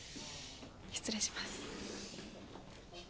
失礼します。